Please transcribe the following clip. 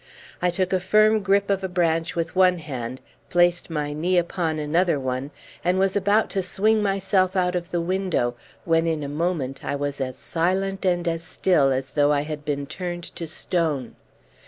I took a firm grip of a branch with one hand, placed my knee upon another one, and was about to swing myself out of the window, when in a moment I was as silent and as still as though I had been turned to stone.